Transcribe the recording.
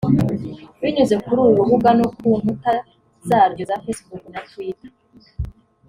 binyuze kuri uru rubuga no ku nkuta zaryo za Facebook na Twitter